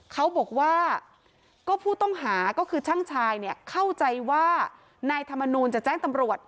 เขาบอกว่าก็ผู้ต้องหาก็คือช่างชายเนี่ยเข้าใจว่านายธรรมนูลจะแจ้งตำรวจ